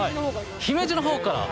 姫路のほうから？